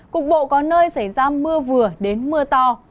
cục bộ có nơi xảy ra mưa vừa đến mưa to